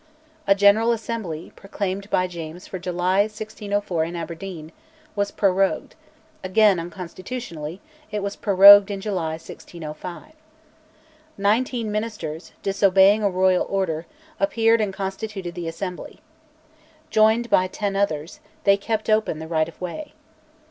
A General Assembly, proclaimed by James for July 1604 in Aberdeen, was prorogued; again, unconstitutionally, it was prorogued in July 1605. Nineteen ministers, disobeying a royal order, appeared and constituted the Assembly. Joined by ten others, they kept open the right of way.